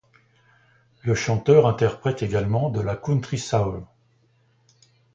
Le chanteur interprète également de la country soul.